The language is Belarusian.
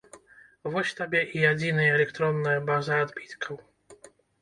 Вось табе і адзіная электронная база адбіткаў!